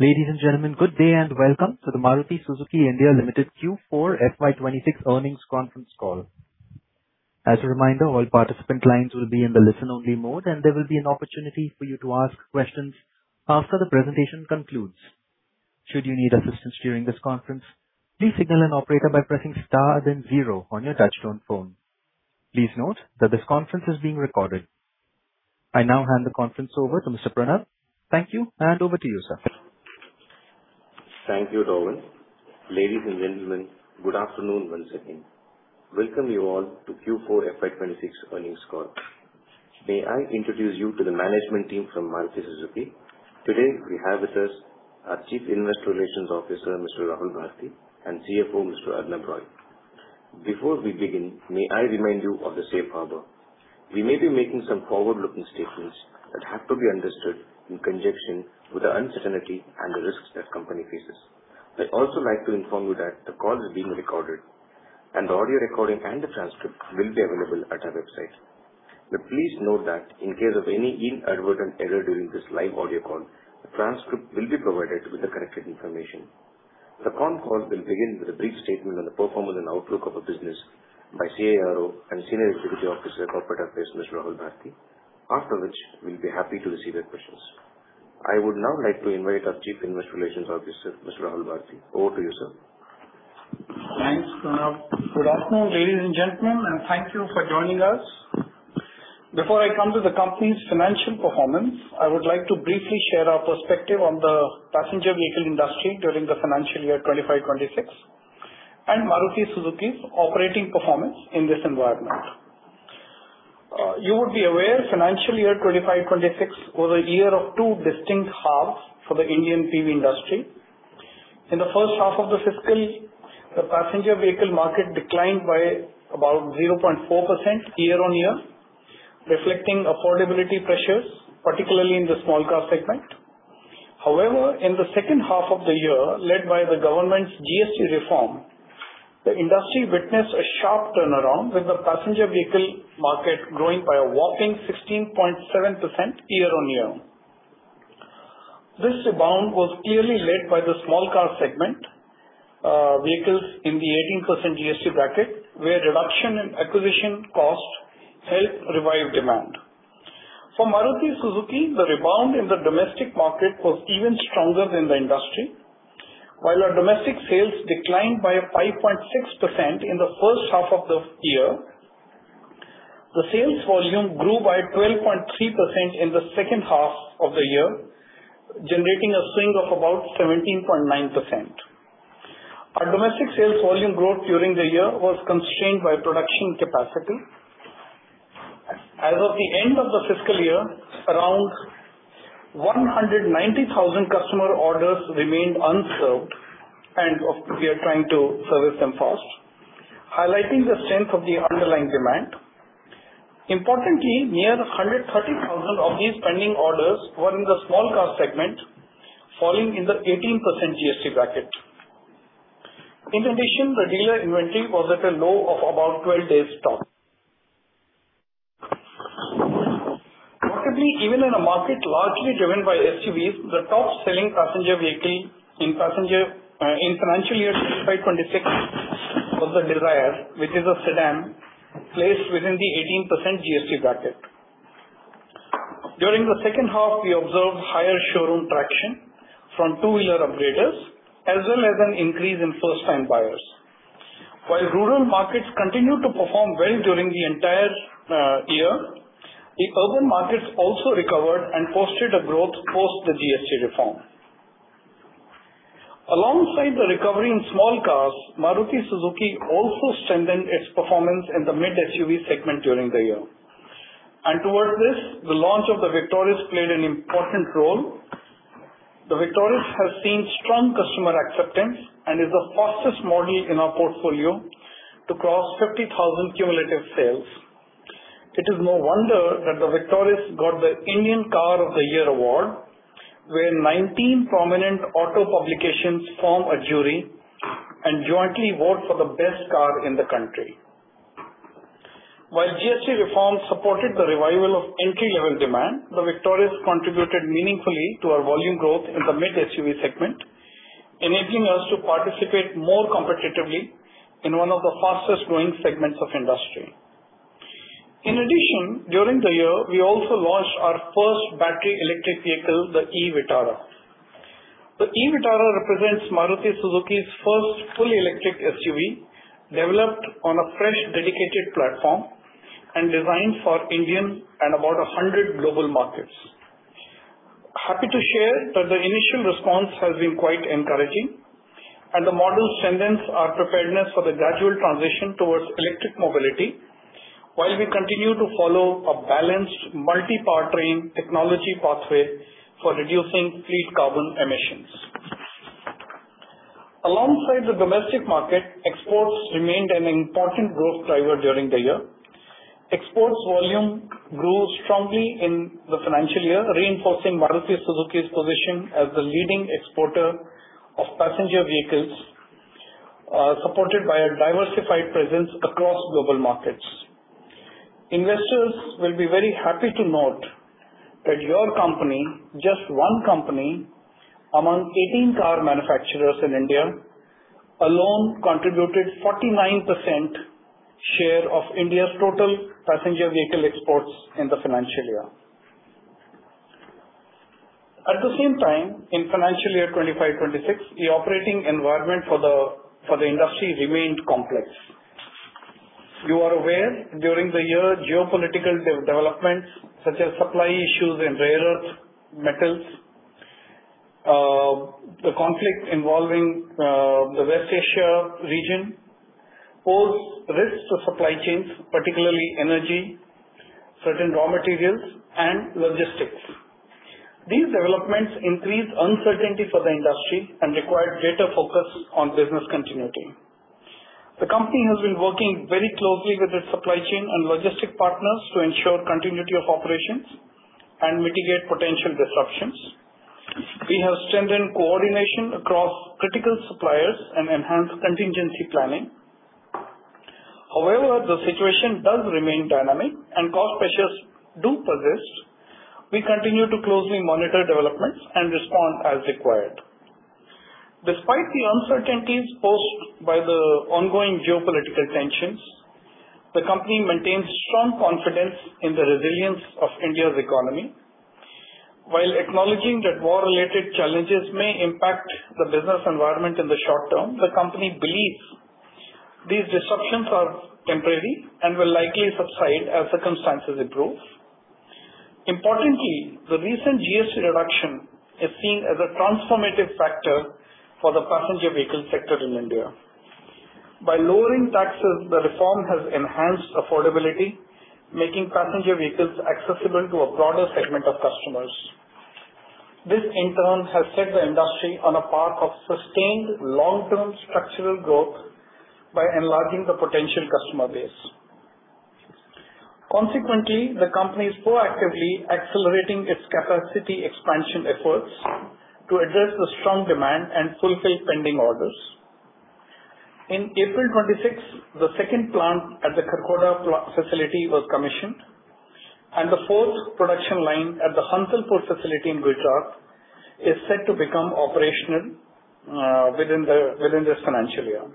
Ladies and gentlemen, good day. Welcome to the Maruti Suzuki India Limited Q4 FY 2026 earnings conference call. As a reminder, all participant lines will be in the listen-only mode and there will be an opportunity for you to ask questions after the presentation concludes. Should you need assistance during this conference, please signal an operator by pressing star then zero on your touch-tone phone. Please note that this conference is being recorded. I now hand the conference over to Mr. Pranav. Thank you. Over to you, sir. Thank you, Dolan. Ladies and gentlemen, good afternoon once again. Welcome you all to Q4 FY 2026 earnings call. May I introduce you to the management team from Maruti Suzuki. Today, we have with us our Chief Investor Relations Officer, Mr. Rahul Bharti, and CFO, Mr. Arnab Roy. Before we begin, may I remind you of the safe harbor. We may be making some forward-looking statements that have to be understood in conjunction with the uncertainty and the risks that company faces. I'd also like to inform you that the call is being recorded and the audio recording and the transcript will be available at our website. Please note that in case of any inadvertent error during this live audio call, a transcript will be provided with the corrected information. The concall will begin with a brief statement on the performance and outlook of a business by CIRO and Senior Executive Officer, Corporate Affairs, Mr. Rahul Bharti. After which, we'll be happy to receive your questions. I would now like to invite our Chief Investor Relations Officer, Mr. Rahul Bharti. Over to you, sir. Thanks, Pranav. Good afternoon, ladies and gentlemen, and thank you for joining us. Before I come to the company's financial performance, I would like to briefly share our perspective on the passenger vehicle industry during the financial year 2025-2026 and Maruti Suzuki's operating performance in this environment. You would be aware, financial year 2025-2026 was a year of two distinct halves for the Indian PV industry. In the first half of the fiscal, the passenger vehicle market declined by about 0.4% year-on-year, reflecting affordability pressures, particularly in the small car segment. In the second half of the year, led by the government's GST reform, the industry witnessed a sharp turnaround, with the passenger vehicle market growing by a whopping 16.7% year-on-year. This rebound was clearly led by the small car segment, vehicles in the 18% GST bracket, where reduction in acquisition cost helped revive demand. For Maruti Suzuki, the rebound in the domestic market was even stronger than the industry. While our domestic sales declined by 5.6% in the first half of the year, the sales volume grew by 12.3% in the second half of the year, generating a swing of about 17.9%. Our domestic sales volume growth during the year was constrained by production capacity. As of the end of the fiscal year, around 190,000 customer orders remained unserved, we are trying to service them fast, highlighting the strength of the underlying demand. Importantly, near 130,000 of these pending orders were in the small car segment, falling in the 18% GST bracket. In addition, the dealer inventory was at a low of about 12 days top. Notably, even in a market largely driven by SUVs, the top-selling passenger vehicle in passenger, in financial year 2025-2026 was the Dzire, which is a sedan placed within the 18% GST bracket. During the second half, we observed higher showroom traction from two-wheeler upgraders as well as an increase in first-time buyers. While rural markets continued to perform well during the entire year, the urban markets also recovered and posted a growth post the GST reform. Alongside the recovery in small cars, Maruti Suzuki also strengthened its performance in the mid-SUV segment during the year. Towards this, the launch of the Victoris played an important role. The Victoris has seen strong customer acceptance and is the fastest model in our portfolio to cross 50,000 cumulative sales. It is no wonder that the Victoris got the Indian Car of the Year award, where 19 prominent auto publications form a jury and jointly vote for the best car in the country. While GST reform supported the revival of entry-level demand, the Victoris contributed meaningfully to our volume growth in the mid-SUV segment, enabling us to participate more competitively in one of the fastest-growing segments of industry. In addition, during the year, we also launched our first battery electric vehicle, the e Vitara. The e Vitara represents Maruti Suzuki's first fully electric SUV, developed on a fresh, dedicated platform and designed for Indian and about 100 global markets. Happy to share that the initial response has been quite encouraging and the model strengthens our preparedness for the gradual transition towards electric mobility while we continue to follow a balanced multi-power train technology pathway for reducing fleet carbon emissions. Alongside the domestic market, exports remained an important growth driver during the year. Exports volume grew strongly in the financial year, reinforcing Maruti Suzuki's position as the leading exporter of passenger vehicles, supported by a diversified presence across global markets. Investors will be very happy to note that your company, just one company, among 18 car manufacturers in India, alone contributed 49% share of India's total passenger vehicle exports in the financial year. At the same time, in financial year 2025-2026, the operating environment for the industry remained complex. You are aware during the year geopolitical developments such as supply issues in rare earth metals, the conflict involving the West Asia region pose risks to supply chains, particularly energy, certain raw materials and logistics. These developments increase uncertainty for the industry and require greater focus on business continuity. The company has been working very closely with its supply chain and logistic partners to ensure continuity of operations and mitigate potential disruptions. We have strengthened coordination across critical suppliers and enhanced contingency planning. However, the situation does remain dynamic and cost pressures do persist. We continue to closely monitor developments and respond as required. Despite the uncertainties posed by the ongoing geopolitical tensions, the company maintains strong confidence in the resilience of India's economy. While acknowledging that war-related challenges may impact the business environment in the short term, the company believes these disruptions are temporary and will likely subside as circumstances improve. Importantly, the recent GST reduction is seen as a transformative factor for the passenger vehicle sector in India. By lowering taxes, the reform has enhanced affordability, making passenger vehicles accessible to a broader segment of customers. This, in turn, has set the industry on a path of sustained long-term structural growth by enlarging the potential customer base. Consequently, the company is proactively accelerating its capacity expansion efforts to address the strong demand and fulfill pending orders. In April 26, the second plant at the Kharkhoda facility was commissioned, and the fourth production line at the Hansalpur facility in Gujarat is set to become operational, within the financial year.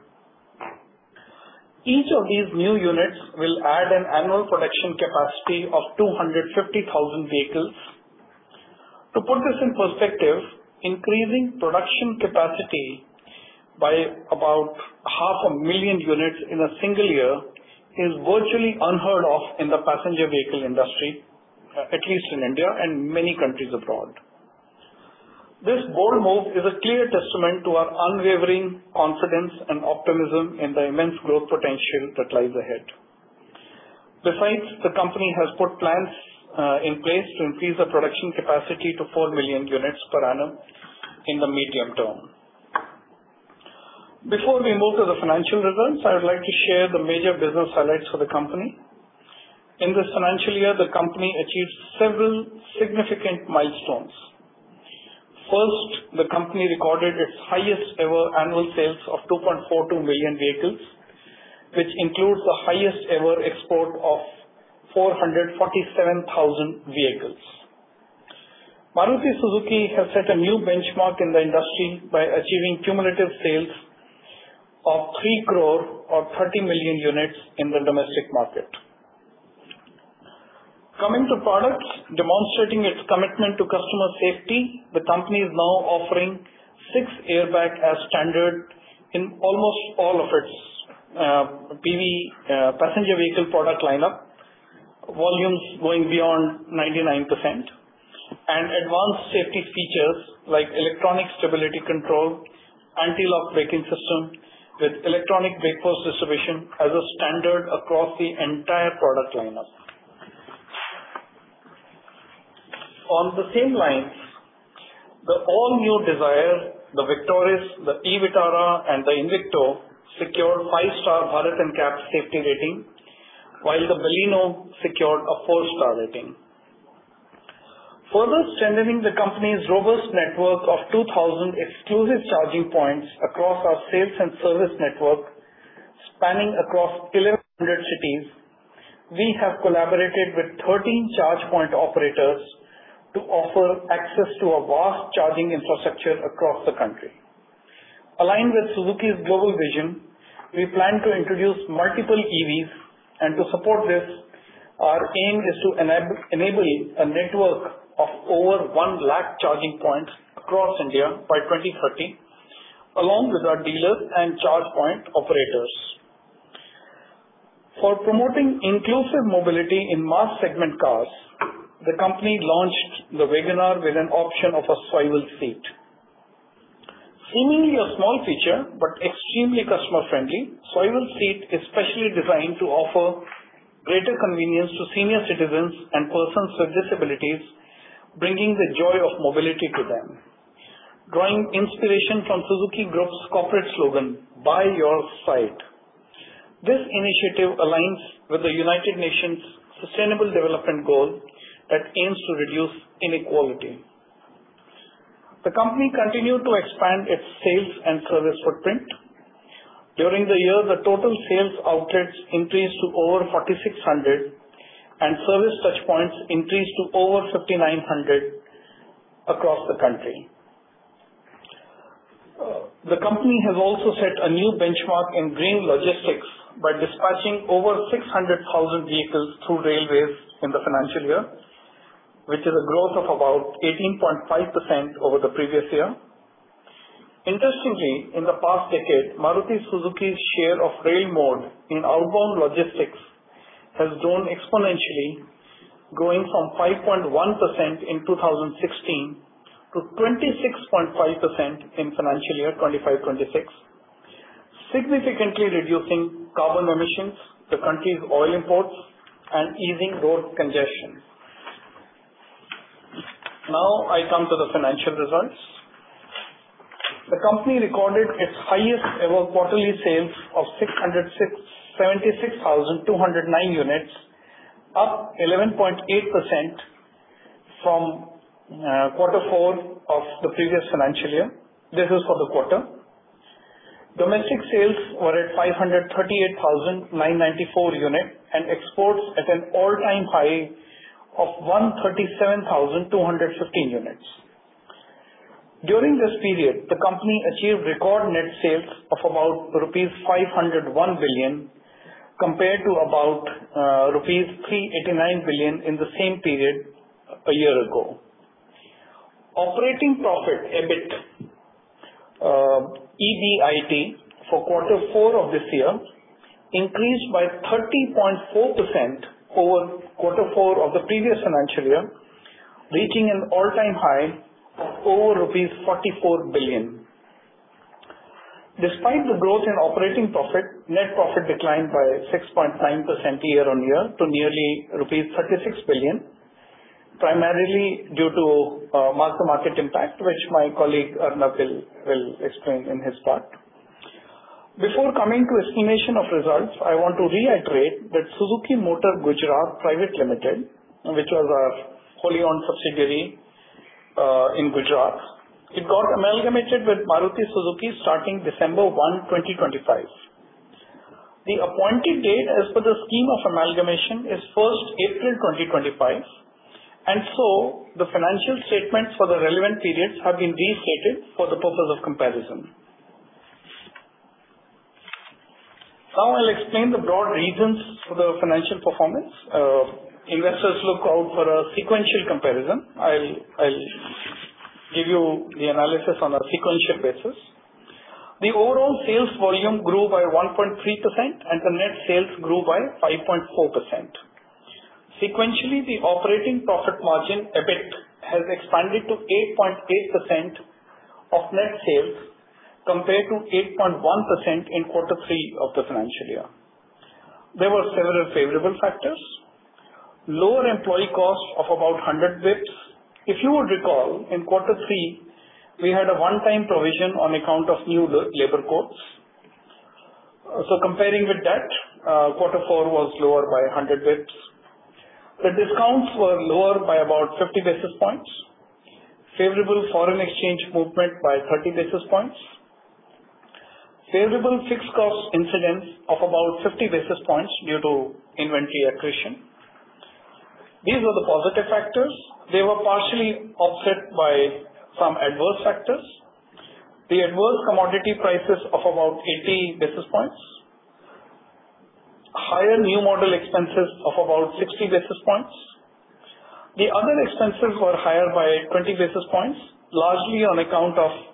Each of these new units will add an annual production capacity of 250,000 vehicles. To put this in perspective, increasing production capacity by about 500,000 units in a single year is virtually unheard of in the passenger vehicle industry, at least in India and many countries abroad. This bold move is a clear testament to our unwavering confidence and optimism in the immense growth potential that lies ahead. Besides, the company has put plans in place to increase the production capacity to 4 million units per annum in the medium term. Before we move to the financial results, I would like to share the major business highlights for the company. In this financial year, the company achieved several significant milestones. First, the company recorded its highest ever annual sales of 2.42 million vehicles, which includes the highest ever export of 447,000 vehicles. Maruti Suzuki has set a new benchmark in the industry by achieving cumulative sales of 3 crore or 30 million units in the domestic market. Coming to products, demonstrating its commitment to customer safety, the company is now offering six airbags as standard in almost all of its PV passenger vehicle product lineup, volumes going beyond 99%. Advanced safety features like electronic stability control, anti-lock braking system with electronic brake force distribution as a standard across the entire product lineup. On the same lines, the all-new Dzire, the Victoris, the e Vitara and the Invicto secured 5-star Bharat NCAP safety rating, while the Baleno secured a 4-star rating. Further strengthening the company's robust network of 2,000 exclusive charging points across our sales and service network, spanning across 1,100 cities, we have collaborated with 13 charge point operators to offer access to a vast charging infrastructure across the country. Aligned with Suzuki's global vision, we plan to introduce multiple EVs. To support this, our aim is to enable a network of over 1 lakh charging points across India by 2030, along with our dealers and charge point operators. For promoting inclusive mobility in mass segment cars, the company launched the WagonR with an option of a swivel seat. Seemingly a small feature, but extremely customer-friendly, swivel seat is specially designed to offer greater convenience to senior citizens and persons with disabilities, bringing the joy of mobility to them. Drawing inspiration from Suzuki Group's corporate slogan, "By your side," this initiative aligns with the United Nations Sustainable Development Goal that aims to reduce inequality. The company continued to expand its sales and service footprint. During the year, the total sales outlets increased to over 4,600 and service touchpoints increased to over 5,900 across the country. The company has also set a new benchmark in green logistics by dispatching over 600,000 vehicles through railways in the financial year, which is a growth of about 18.5% over the previous year. Interestingly, in the past decade, Maruti Suzuki's share of rail mode in outbound logistics has grown exponentially, going from 5.1% in 2016 to 26.5% in financial year 2025-2026, significantly reducing carbon emissions, the country's oil imports, and easing road congestion. Now I come to the financial results. The company recorded its highest ever quarterly sales of 676,209 units, up 11.8% from quarter four of the previous financial year. This is for the quarter. Domestic sales were at 538,994 units and exports at an all-time high of 137,215 units. During this period, the company achieved record net sales of about rupees 501 billion, compared to about rupees 389 billion in the same period a year ago. Operating profit, EBIT for quarter four of this year increased by 30.4% over quarter four of the previous financial year, reaching an all-time high of over rupees 44 billion. Despite the growth in operating profit, net profit declined by 6.9% year-over-year to nearly rupees 36 billion, primarily due to mark-to-market impact, which my colleague, Arnab, will explain in his part. Before coming to estimation of results, I want to reiterate that Suzuki Motor Gujarat Private Limited, which was a wholly owned subsidiary in Gujarat, it got amalgamated with Maruti Suzuki starting December 1, 2025. The appointed date as per the scheme of amalgamation is 1st April 2025. The financial statements for the relevant periods have been restated for the purpose of comparison. I'll explain the broad reasons for the financial performance. Investors look out for a sequential comparison. I'll give you the analysis on a sequential basis. The overall sales volume grew by 1.3% and the net sales grew by 5.4%. Sequentially, the operating profit margin, EBIT, has expanded to 8.8% of net sales compared to 8.1% in quarter three of the financial year. There were several favorable factors. Lower employee costs of about 100 basis points. If you would recall, in quarter three, we had a one-time provision on account of new labor courts. Comparing with that, quarter four was lower by 100 basis points. The discounts were lower by about 50 basis points. Favorable foreign exchange movement by 30 basis points. Favorable fixed cost incidence of about 50 basis points due to inventory accretion. These were the positive factors. They were partially offset by some adverse factors. The adverse commodity prices of about 80 basis points. Higher new model expenses of about 60 basis points. The other expenses were higher by 20 basis points, largely on account of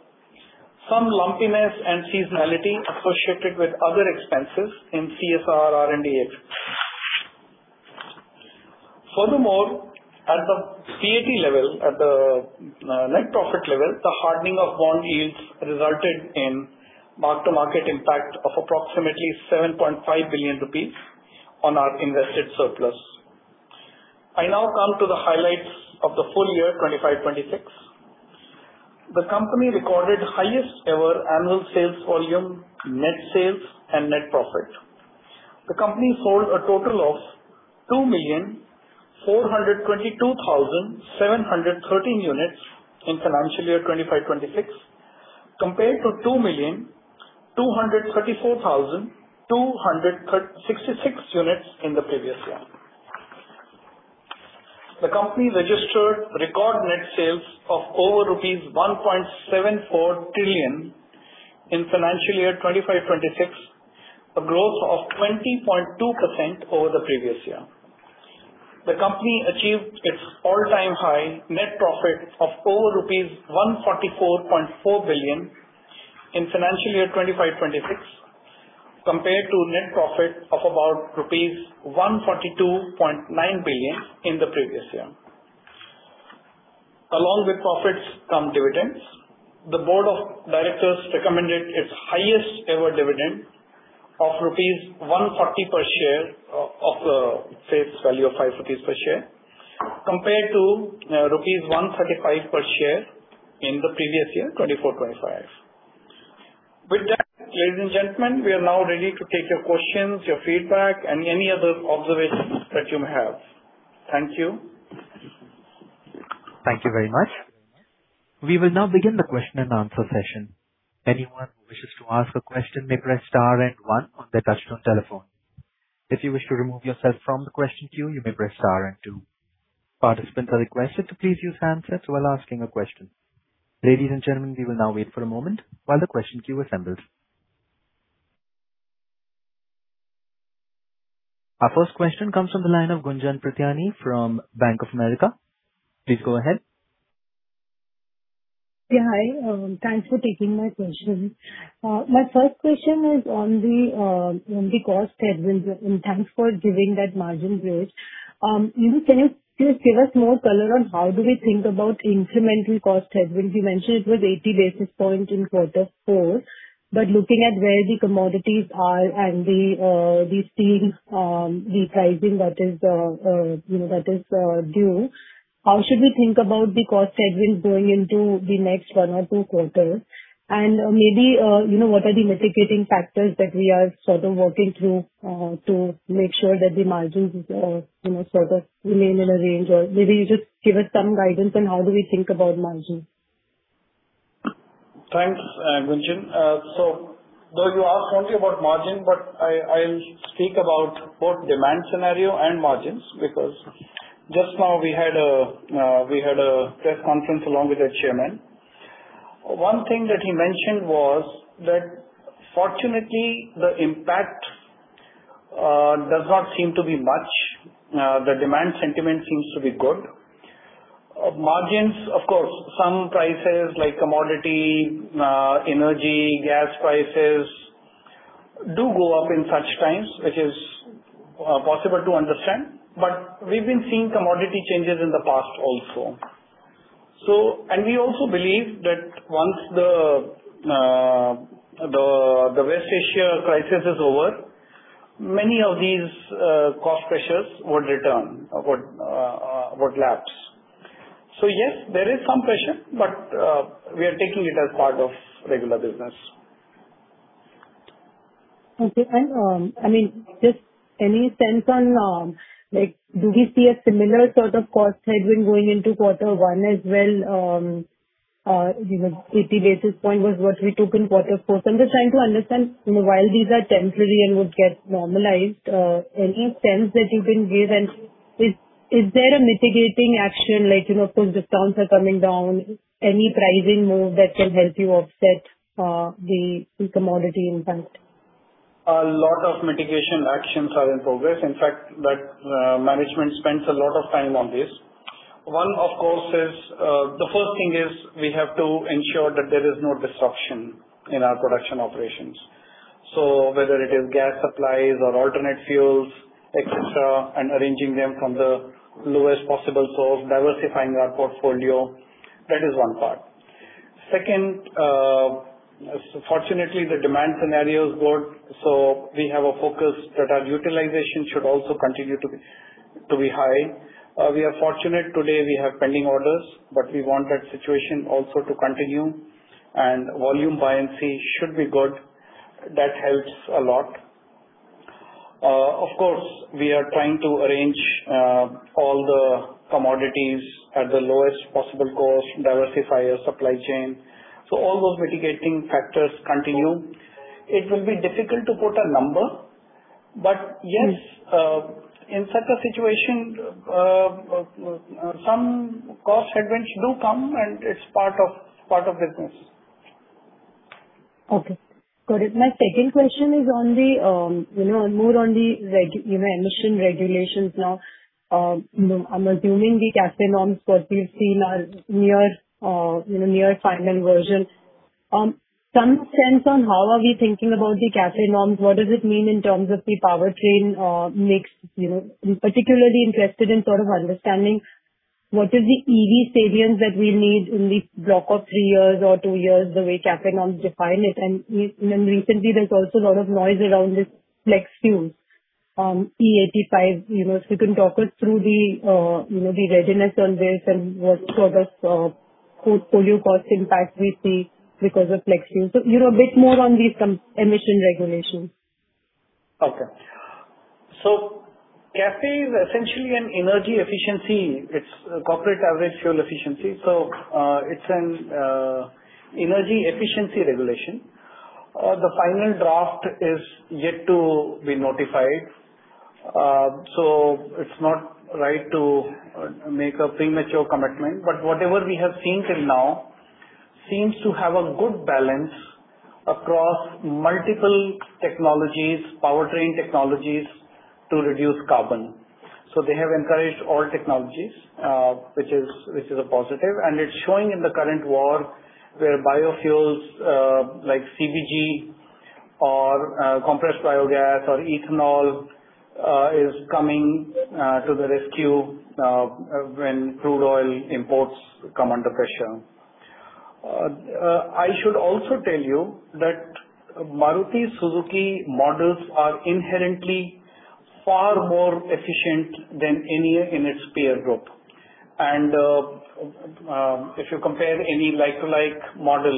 some lumpiness and seasonality associated with other expenses in CSR, R&D expenses. At the PAT level, at the net profit level, the hardening of bond yields resulted in mark-to-market impact of approximately 7.5 billion rupees on our invested surplus. I now come to the highlights of the full-year 2025-2026. The company recorded highest ever annual sales volume, net sales and net profit. The company sold a total of 2,422,713 units in financial year 2025-2026, compared to 2,234,266 units in the previous year. The company registered record net sales of over rupees 1.74 trillion in financial year 2025-2026, a growth of 20.2% over the previous year. The company achieved its all-time high net profit of over rupees 144.4 billion in financial year 2025-2026, compared to net profit of about rupees 142.9 billion in the previous year. Along with profits come dividends. The board of directors recommended its highest ever dividend of rupees 140 per share of a face value of 5 rupees per share, compared to rupees 135 per share in the previous year, 2024/2025. With that, ladies and gentlemen, we are now ready to take your questions, your feedback, and any other observations that you may have. Thank you. Thank you very much. We will now begin the question-and-answer session. Anyone who wishes to ask a question may press star and one on their touch-tone telephone. If you wish to remove yourself from the question queue, you may press star and two. Participants are requested to please use handsets while asking a question. Ladies and gentlemen, we will now wait for a moment while the question queue assembles. Our first question comes from the line of Gunjan Prithyani from Bank of America. Please go ahead. Hi. Thanks for taking my question. My first question is on the cost headwinds and thanks for giving that margin growth. Can you please give us more color on how do we think about incremental cost headwinds? You mentioned it was 80 basis points in quarter four, but looking at where the commodities are and the seeing the pricing that is, you know, that is due, how should we think about the cost headwinds going into the next one or two quarters? Maybe, you know, what are the mitigating factors that we are sort of working through to make sure that the margins, you know, sort of remain in a range? Or maybe you just give us some guidance on how do we think about margins. Thanks, Gunjan. Though you asked only about margin, but I'll speak about both demand scenario and margins, because just now we had a press conference along with the chairman. One thing that he mentioned was that fortunately, the impact does not seem to be much. The demand sentiment seems to be good. Margins, of course, some prices like commodity, energy, gas prices do go up in such times, which is possible to understand. We've been seeing commodity changes in the past also. We also believe that once the West Asia crisis is over, many of these cost pressures would return, would lapse. Yes, there is some pressure, but we are taking it as part of regular business. Okay. I mean, just any sense on like, do we see a similar sort of cost headwind going into quarter one as well? You know, 80 basis points was what we took in quarter four. I'm just trying to understand, you know, while these are temporary and would get normalized, any sense that you can give and is there a mitigating action like, you know, since discounts are coming down, any pricing move that can help you offset the commodity impact? A lot of mitigation actions are in progress. In fact, like, management spends a lot of time on this. One, of course, is, the first thing is we have to ensure that there is no disruption in our production operations. Whether it is gas supplies or alternate fuels, et cetera, and arranging them from the lowest possible source, diversifying our portfolio, that is one part. Second, fortunately, the demand scenario is good, so we have a focus that our utilization should also continue to be high. We are fortunate today we have pending orders, but we want that situation also to continue. Volume buoyancy should be good. That helps a lot. Of course, we are trying to arrange, all the commodities at the lowest possible cost, diversify our supply chain. All those mitigating factors continue. It will be difficult to put a number. Mm. In such a situation, some cost headwinds do come and it's part of business. Okay, good. My second question is on the, you know, more on the, you know, emission regulations now. You know, I'm assuming the CAFE norms what we've seen are near, you know, near final version. Some sense on how are we thinking about the CAFE norms? What does it mean in terms of the powertrain mix? You know, I'm particularly interested in sort of understanding what is the EV salience that we need in the block of three years or two years, the way CAFE norms define it. You know, recently there's also a lot of noise around this flex fuels, E85. You know, you can talk us through the, you know, the readiness on this and what sort of portfolio cost impact we see because of flex fuels. You know, a bit more on these, emission regulations. Okay. CAFE is essentially an energy efficiency. It's Corporate Average Fuel Efficiency. It's an energy efficiency regulation. The final draft is yet to be notified. It's not right to make a premature commitment. Whatever we have seen till now seems to have a good balance across multiple technologies, powertrain technologies to reduce carbon. They have encouraged all technologies, which is a positive. It's showing in the current war, where biofuels, like CBG or compressed biogas or ethanol, is coming to the rescue when crude oil imports come under pressure. I should also tell you that Maruti Suzuki models are inherently far more efficient than any in its peer group. If you compare any like to like model,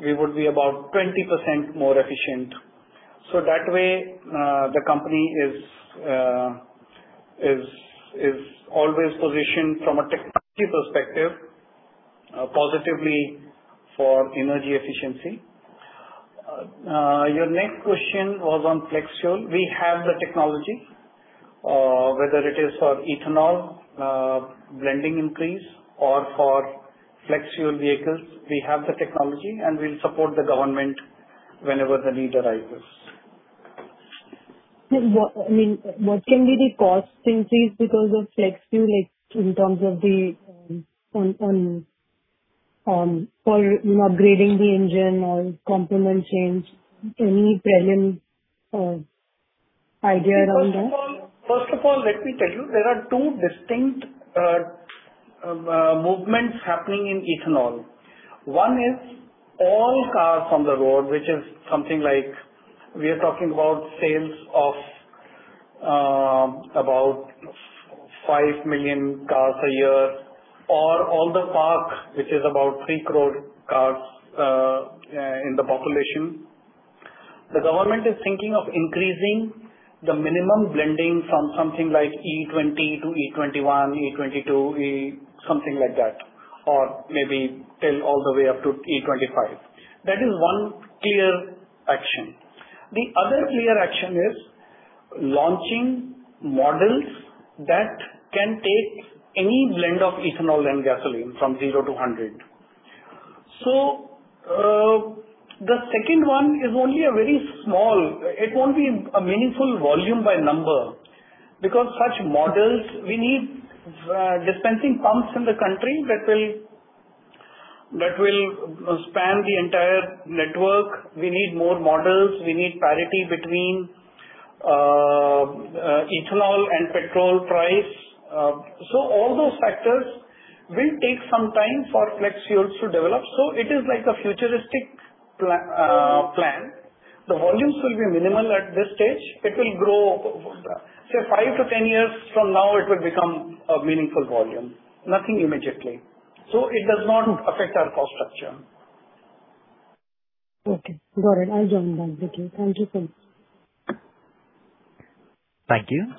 we would be about 20% more efficient. That way, the company is always positioned from a technology perspective, positively for energy efficiency. Your next question was on flex fuel. We have the technology, whether it is for ethanol blending increase or for flex fuel vehicles. We have the technology, we'll support the government whenever the need arises. What, I mean, what can be the cost increase because of flex fuel, like, in terms of the on for upgrading the engine or component change? Any preliminary idea around that? First of all, let me tell you, there are two distinct movements happening in ethanol. One is all cars on the road, which is something like we are talking about sales of 5 million cars a year or all the park, which is about 3 crore cars in the population. The government is thinking of increasing the minimum blending from something like E20 to E21, E22, something like that, or maybe till all the way up to E25. That is one clear action. The other clear action is launching models that can take any blend of ethanol and gasoline from 0 to 100. It won't be a meaningful volume by number because such models we need dispensing pumps in the country that will span the entire network. We need more models. We need parity between ethanol and petrol price. All those factors will take some time for flex fuels to develop. It is like a futuristic plan. The volumes will be minimal at this stage. It will grow. Say five to 10 years from now it will become a meaningful volume. Nothing immediately. It does not affect our cost structure. Okay, got it. I'll join the dots with you. Thank you, sir. Thank you.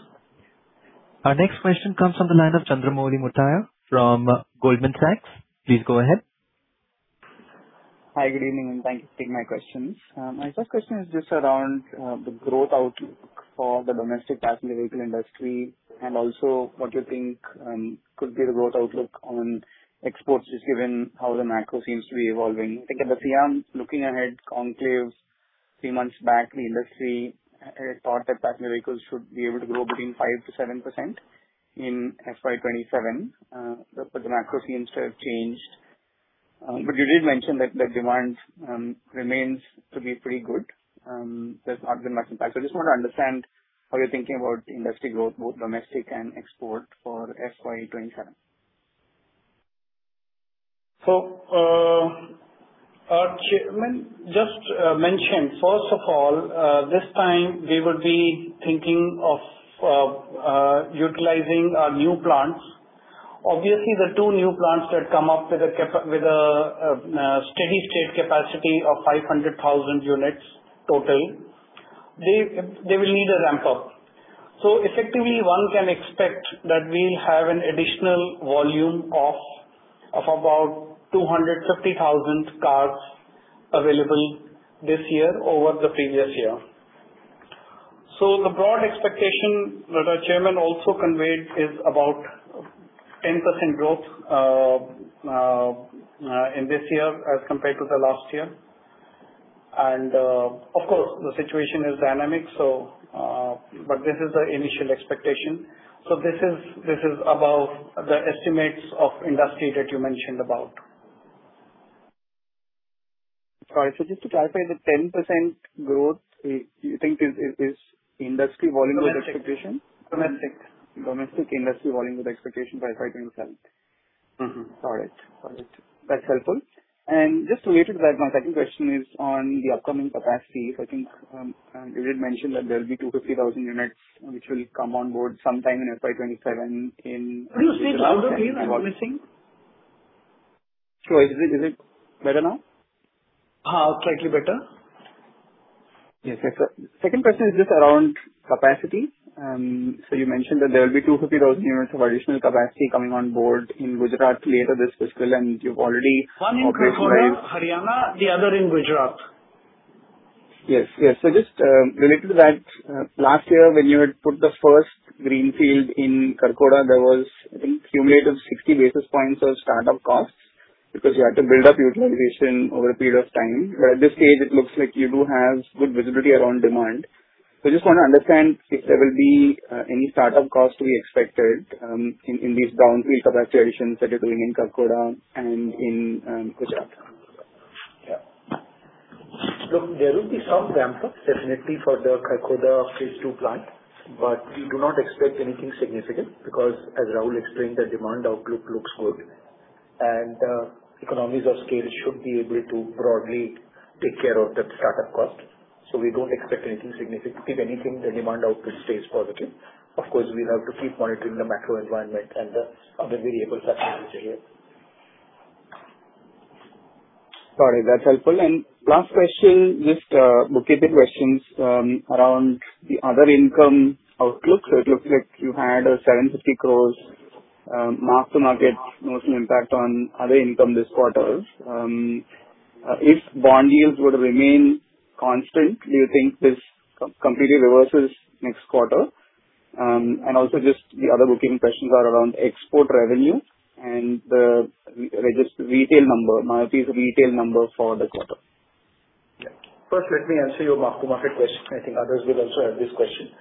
Our next question comes from the line of Chandramouli Muthiah from Goldman Sachs. Please go ahead. Hi, good evening, and thank you for taking my questions. My first question is just around the growth outlook for the domestic passenger vehicle industry and also what you think could be the growth outlook on exports, just given how the macro seems to be evolving. I think at the FADA, looking ahead conclave three months back, the industry thought that passenger vehicles should be able to grow between 5%-7% in FY 2027. The macro seems to have changed. You did mention that the demand remains to be pretty good. There's not been much impact. I just want to understand how you're thinking about industry growth, both domestic and export for FY 2027. Our chairman just mentioned, first of all, this time we will be thinking of utilizing our new plants. Obviously, the two new plants that come up with a steady state capacity of 500,000 units total, they will need a ramp up. Effectively, one can expect that we'll have an additional volume of about 250,000 cars available this year over the previous year. The broad expectation that our chairman also conveyed is about 10% growth in this year as compared to the last year. Of course, the situation is dynamic, so but this is the initial expectation. This is above the estimates of industry that you mentioned about. Sorry. Just to clarify, the 10% growth, you think is industry volume growth expectation? Domestic. Domestic industry volume growth expectation for FY 2027. Mm-hmm. Got it. Got it. That's helpful. Just related to that, my second question is on the upcoming capacity. I think you did mention that there'll be 250,000 units which will come on board sometime in FY 2027. Could you speak louder, please? I'm missing. Sure. Is it better now? Slightly better. Yes. Second question is just around capacity. You mentioned that there will be 250,000 units of additional capacity coming on board in Gujarat later this fiscal and you've already operationalized. One in Kharkhoda, Haryana, the other in Gujarat. Yes. Yes. Just related to that, last year when you had put the first greenfield in Kharkhoda, there was, I think, cumulative 60 basis points of startup costs because you had to build up utilization over a period of time. Where at this stage it looks like you do have good visibility around demand. I just want to understand if there will be any startup cost to be expected in these down three capacity additions that you're doing in Kharkhoda and in Gujarat. Yeah. Look, there will be some ramp up definitely for the Kharkhoda phase II plant. We do not expect anything significant because as Rahul explained, the demand outlook looks good. Economies of scale should be able to broadly take care of that startup cost. We don't expect anything significant. If anything, the demand output stays positive. Of course, we'll have to keep monitoring the macro environment and the other variables that are mentioned here. Sorry, that's helpful. Last question, just bookkeeping questions around the other income outlook. It looks like you had a 750 crores mark-to-market notional impact on other income this quarter. If bond yields were to remain constant, do you think this completely reverses next quarter? Also just the other bookkeeping questions are around export revenue and the re-register retail number, Maruti's retail number for the quarter. Yeah. First, let me answer your mark-to-market question. I think others will also have this question.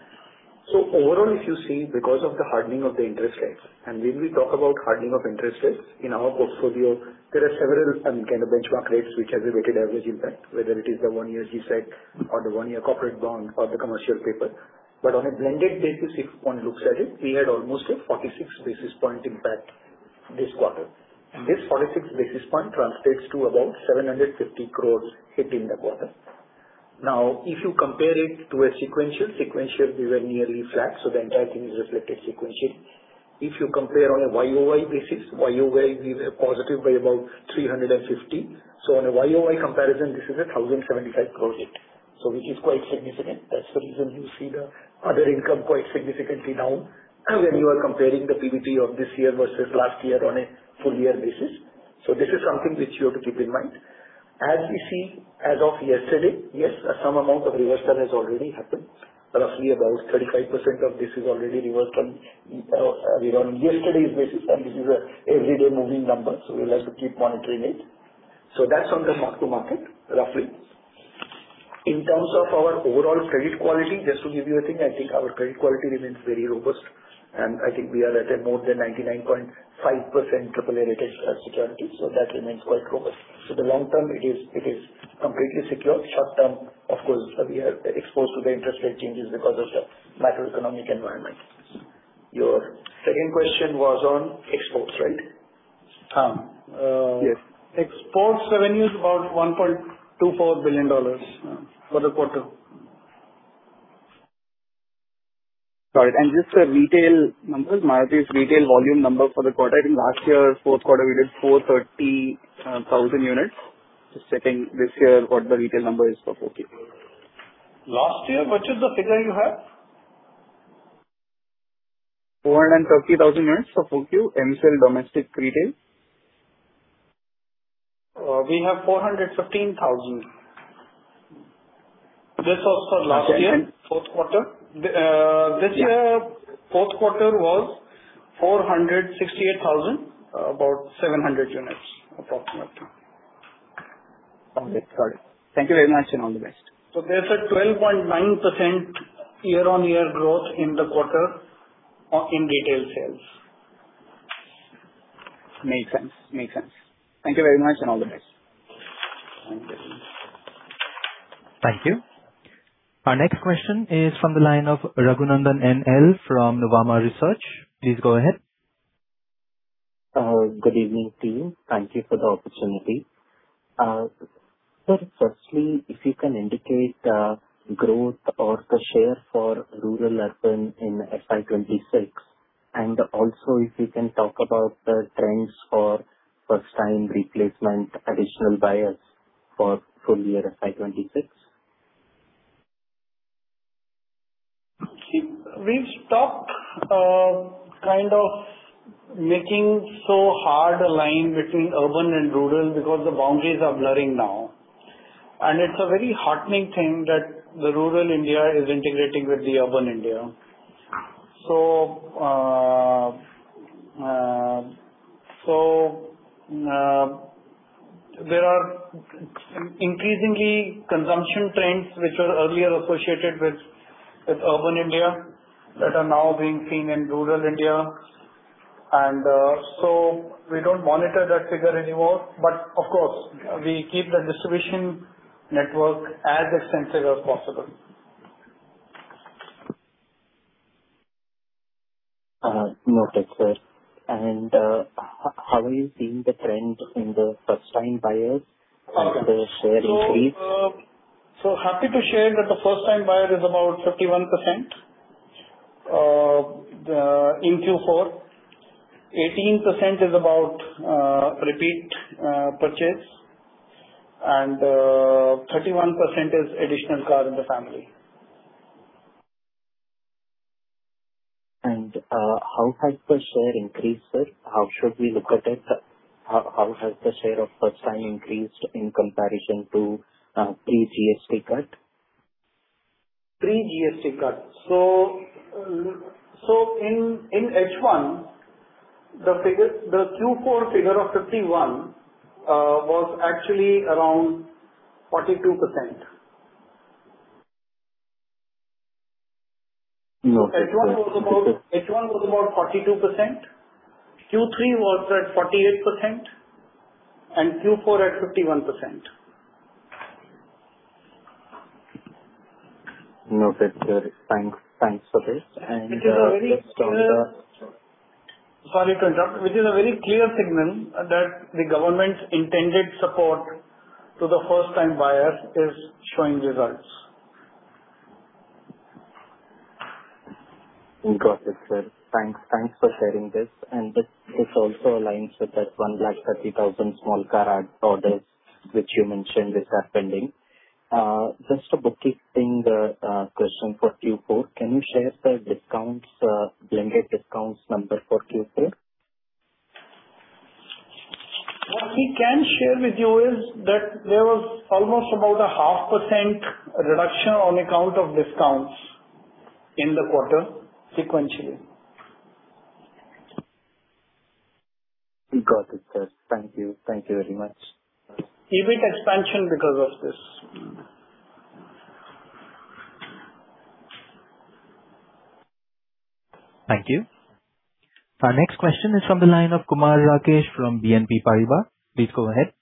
Overall, if you see because of the hardening of the interest rates and when we talk about hardening of interest rates in our portfolio, there are several kind of benchmark rates which has a weighted average impact, whether it is the one-year G-Sec or the one-year corporate bond or the commercial paper. On a blended basis, if one looks at it, we had almost a 46 basis point impact this quarter. This 46 basis point translates to about 750 crores hit in the quarter. If you compare it to a sequential we were nearly flat, so the entire thing is reflected sequentially. If you compare on a YoY basis, YoY we were positive by about 350. On a YoY comparison, this is a 1,075 crore hit. Which is quite significant. That's the reason you see the other income quite significantly down and when you are comparing the PBT of this year versus last year on a full-year basis. This is something which you have to keep in mind. As you see, as of yesterday, yes, some amount of reversal has already happened. Roughly about 35% of this is already reversed on, you know, yesterday's basis, and this is an everyday moving number, so we'll have to keep monitoring it. That's on the mark-to-market, roughly. In terms of our overall credit quality, just to give you a thing, I think our credit quality remains very robust, and I think we are at a more than 99.5% AAA rated security, so that remains quite robust. The long term it is completely secure. Short term, of course, we are exposed to the interest rate changes because of the macroeconomic environment. Your second question was on exports, right? Um, uh- Yes. Export revenue is about $1.24 billion for the quarter. Sorry, just the retail numbers, Maruti's retail volume number for the quarter. I think last year, fourth quarter we did 430 thousand units. Just checking this year what the retail number is for 4Q. Last year, which is the figure you have? 450,000 units for 4Q, MSIL domestic retail. We have 415,000. This was for last year, fourth quarter. Yeah. This year, fourth quarter was 468,000, about 700 units, approximately. Okay. Got it. Thank you very much and all the best. There's a 12.9% year-on-year growth in the quarter, in retail sales. Makes sense. Makes sense. Thank you very much and all the best. Thank you. Our next question is from the line of Raghunandhan NL from Nuvama Research. Please go ahead. Good evening to you. Thank you for the opportunity. Sir, firstly, if you can indicate, growth or the share for rural-urban in FY 2026, and also if you can talk about the trends for first-time replacement additional buyers for full-year FY 2026. See, we've stopped kind of making so hard a line between urban and rural because the boundaries are blurring now. It's a very heartening thing that the rural India is integrating with the urban India. There are increasingly consumption trends which were earlier associated with urban India that are now being seen in rural India. We don't monitor that figure anymore. Of course, we keep the distribution network as extensive as possible. Noted, sir. How are you seeing the trend in the first-time buyers, the share increase? Happy to share that the first-time buyer is about 51% in Q4. 18% is about repeat purchase. 31% is additional car in the family. How has the share increased, sir? How should we look at it? How has the share of first time increased in comparison to pre-GST cut? Pre-GST cut. In H1, the Q4 figure of 51% was actually around 42%. Noted, sir. Noted. H1 was about 42%, Q3 was at 48%, and Q4 at 51%. Noted, sir. Thanks, thanks for this. It is a very clear. Just on the- Sorry to interrupt. It is a very clear signal that the government's intended support to the first time buyers is showing results. Got it, sir. Thanks. Thanks for sharing this. This also aligns with that 130,000 small car orders which you mentioned is pending. Just a bookkeeping question for Q4. Can you share the discounts, blended discounts number for Q4? What we can share with you is that there was almost about a 0.5% reduction on account of discounts in the quarter sequentially. Got it, sir. Thank you. Thank you very much. EBIT expansion because of this. Thank you. Our next question is from the line of Kumar Rakesh from BNP Paribas. Please go ahead.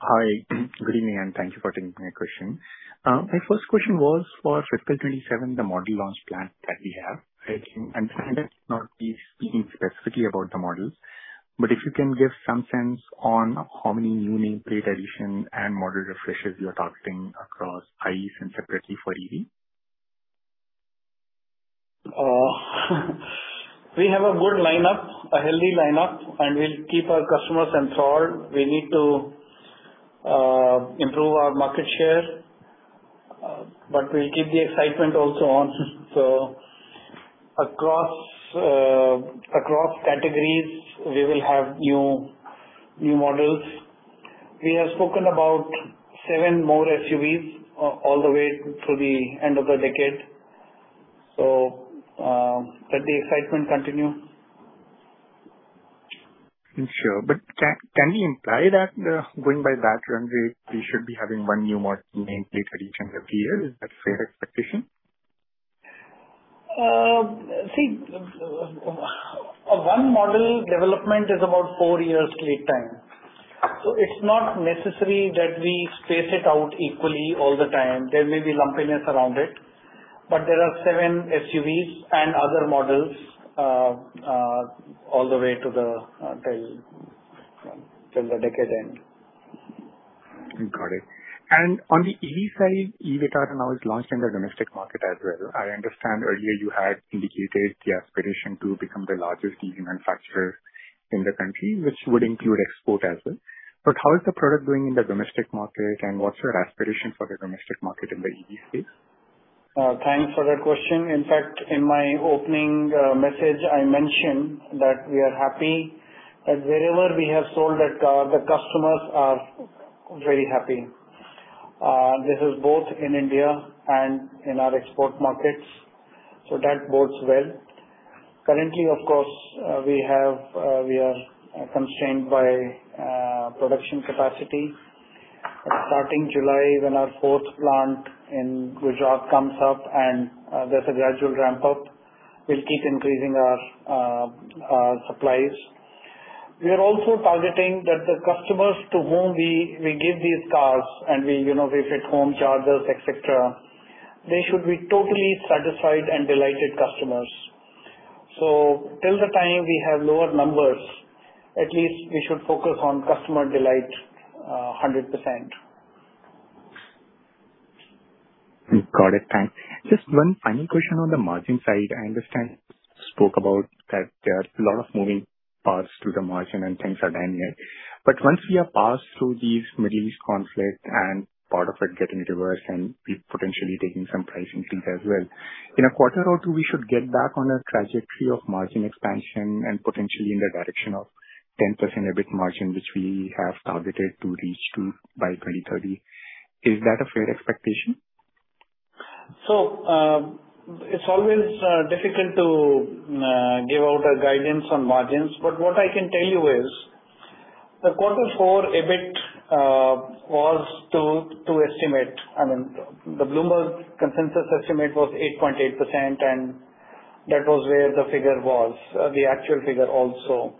Hi. Good evening and thank you for taking my question. My first question was for fiscal 2027, the model launch plan that we have. I understand that you cannot be speaking specifically about the models, but if you can give some sense on how many new nameplate addition and model refreshes you are targeting across ICE and separately for EV. We have a good lineup, a healthy lineup and we'll keep our customers enthralled. We need to improve our market share, but we'll keep the excitement also on. Across categories we will have new models. We have spoken about seven more SUVs all the way through the end of the decade. Let the excitement continue. Sure. Can we imply that, going by that runway, we should be having one new model nameplate addition every year? Is that fair expectation? One model development is about four years lead time, so it's not necessary that we space it out equally all the time. There may be lumpiness around it, but there are seven SUVs and other models all the way to the till the decade end. Got it. On the EV side, e Vitara now is launched in the domestic market as well. I understand earlier you had indicated the aspiration to become the largest EV manufacturer in the country, which would include export as well. How is the product doing in the domestic market and what's your aspiration for the domestic market in the EV space? Thanks for that question. In fact, in my opening message, I mentioned that we are happy that wherever we have sold that car, the customers are very happy. This is both in India and in our export markets, so that bodes well. Currently, of course, we have, we are constrained by production capacity. Starting July, when our 4th plant in Gujarat comes up and there's a gradual ramp up, we'll keep increasing our supplies. We are also targeting that the customers to whom we give these cars and we, you know, we fit home chargers, et cetera, they should be totally satisfied and delighted customers. Till the time we have lower numbers, at least we should focus on customer delight 100%. Got it. Thanks. Just one final question on the margin side. I understand you spoke about that there are a lot of moving parts to the margin and things are dynamic. Once we are past through these Middle East conflict and part of it getting reversed and we potentially taking some pricing feet as well, in a quarter or two we should get back on a trajectory of margin expansion and potentially in the direction of 10% EBIT margin, which we have targeted to reach to by 2030. Is that a fair expectation? It's always difficult to give out a guidance on margins. What I can tell you is the quarter four EBIT was to estimate. I mean, the Bloomberg consensus estimate was 8.8%, and that was where the figure was, the actual figure also.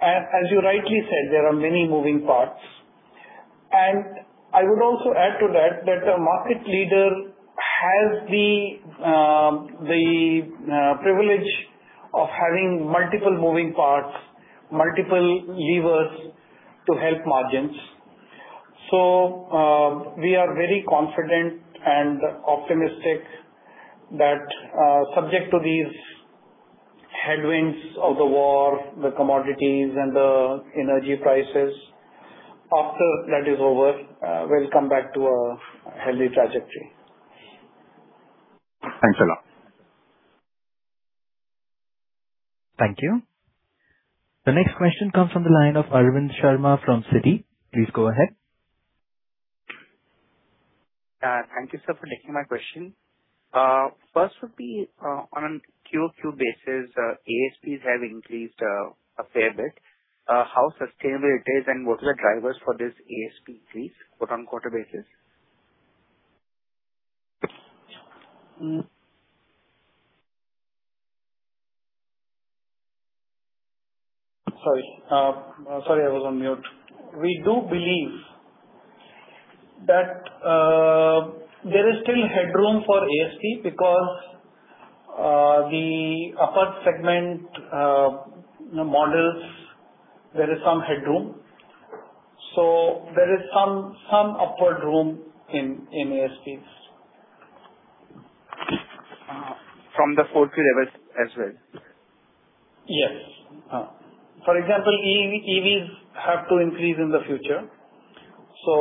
As you rightly said, there are many moving parts. I would also add to that a market leader has the privilege of having multiple moving parts, multiple levers to help margins. We are very confident and optimistic that, subject to these headwinds of the war, the commodities and the energy prices, after that is over, we'll come back to a healthy trajectory. Thanks a lot. Thank you. The next question comes from the line of Arvind Sharma from Citi. Please go ahead. Thank you, sir, for taking my question. First would be, on QoQ basis, ASPs have increased a fair bit. How sustainable it is and what are the drivers for this ASP increase, both on quarter basis? Sorry. Sorry, I was on mute. We do believe that there is still headroom for ASP because the upward segment, you know, models, there is some headroom. There is some upward room in ASPs. From the 40 levels as well? Yes. Uh- For example, EVs have to increase in the future, so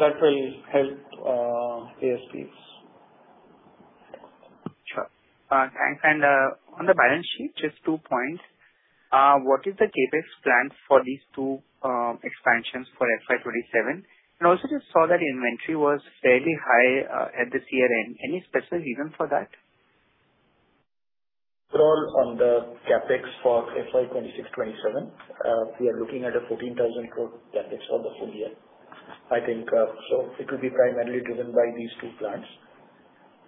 that will help ASPs. Sure. And on the balance sheet, just two points. What is the CapEx plan for these two expansions for FY 2027? Also just saw that inventory was fairly high at this year-end. Any special reason for that? Overall on the CapEx for FY 2026-2027, we are looking at a 14,000 crore CapEx for the full-year. I think, it will be primarily driven by these two plants.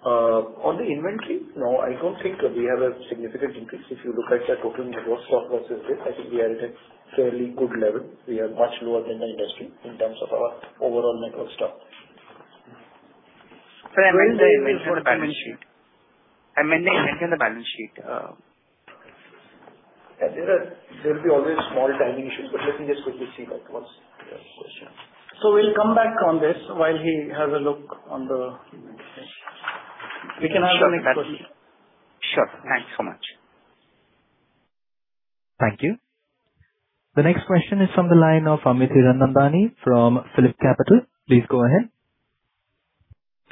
On the inventory, no, I don't think we have a significant increase. If you look at our total network stock versus this, I think we are at a fairly good level. We are much lower than the industry in terms of our overall network stock. I meant the inventory on the balance sheet. Yeah, there'll be always small timing issues, but let me just quickly see that once. Yeah, of course, sure. We'll come back on this while he has a look on the inventory. We can have the next question. Sure. Thanks so much. Thank you. The next question is from the line of Amit Hiranandani from PhillipCapital. Please go ahead.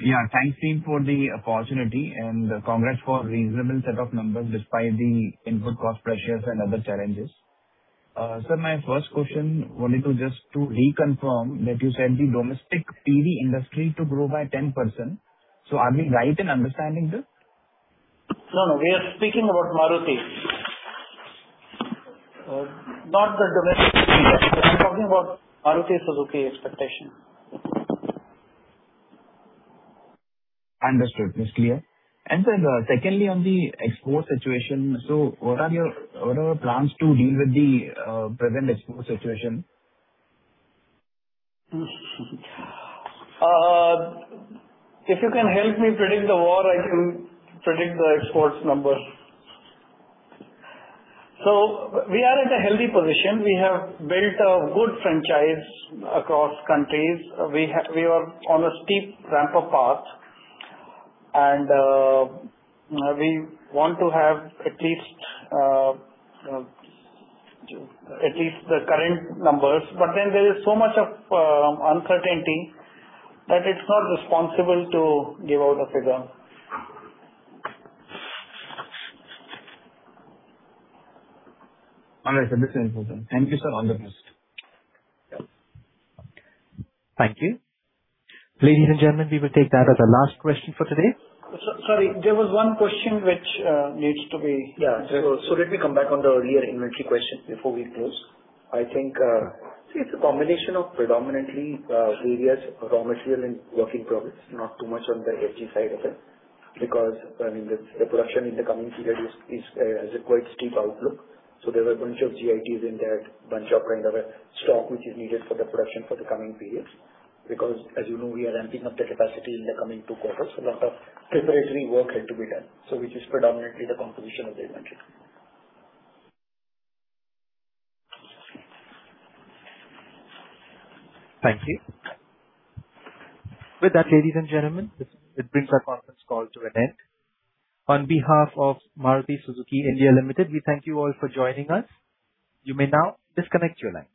Yeah, thanks, team, for the opportunity and congrats for reasonable set of numbers despite the input cost pressures and other challenges. My first question, I wanted to just reconfirm that you said the domestic PV industry to grow by 10%. Are we right in understanding this? No, no. We are speaking about Maruti, not the domestic PV industry. I am talking about Maruti Suzuki expectation. Understood. It's clear. Secondly, on the export situation, what are your plans to deal with the present export situation? If you can help me predict the war, I can predict the exports numbers. We are at a healthy position. We have built a good franchise across countries. We are on a steep ramp of path and we want to have at least the current numbers. There is so much of uncertainty that it's not responsible to give out a figure. All right. Understood. Thank you, sir. All the best. Thank you. Ladies and gentlemen, we will take that as our last question for today. Sorry, there was one question which needs to be. Yeah. Let me come back on the earlier inventory question before we close. I think, see it's a combination of predominantly, various raw material and working products, not too much on the FG side of it, because, I mean, the production in the coming period is, has a quite steep outlook. There were a bunch of GITs in there, bunch of kind of a stock which is needed for the production for the coming periods. As you know, we are ramping up the capacity in the coming two quarters, a lot of preparatory work had to be done. Which is predominantly the composition of the inventory. Thank you. With that, ladies and gentlemen, this, it brings our conference call to an end. On behalf of Maruti Suzuki India Limited, we thank you all for joining us. You may now disconnect your lines.